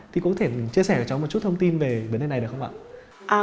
thì cô có thể chia sẻ cho chúng một chút thông tin về vấn đề này được không ạ